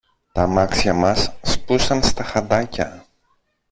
τ' αμάξια μας σπούσαν στα χαντάκια.